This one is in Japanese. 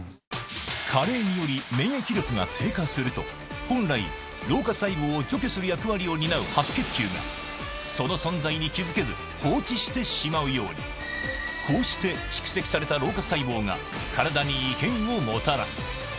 加齢により、免疫力が低下すると、本来、老化細胞を除去する役割を担う白血球が、その存在に気付けず、放置してしまうように、こうして蓄積された老化細胞が体に異変をもたらす。